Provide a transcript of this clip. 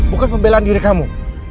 bukan pembelaan diri kamu